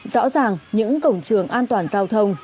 rõ ràng những cổng trường an toàn giao thông